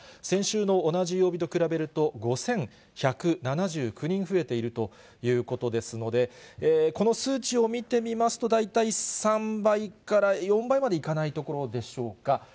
先週の同じ曜日と比べると、５１７９人増えているということですので、この数値を見てみましても、大体３倍から４倍までいかないところでしょうか。